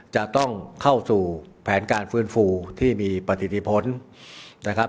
จะต้องเข้าสู่แผนการฟื้นฟูที่มีปฏิทิพ้นนะครับ